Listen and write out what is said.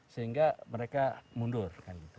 sehingga mereka mundur